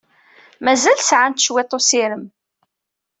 Mazal sɛant cwiṭ n ussirem.